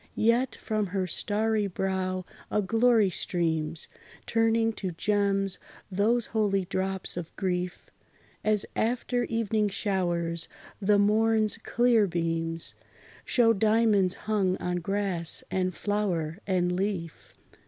Yet from her starry brow a glory streams, Turning to gems those holy drops of grief, As after evening showers, the morn's clear beams Show diamonds hung on grass, and flower and leaf.